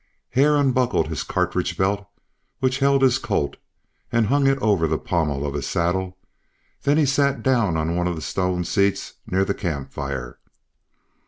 Hare unbuckled his cartridge belt, which held his Colt, and hung it over the pommel of his saddle; then he sat down on one of the stone seats near the camp fire.